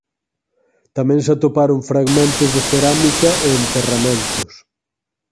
Tamén se atoparon fragmentos de cerámica e enterramentos.